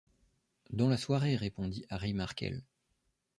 Dans la soirée, répondit Harry Markel.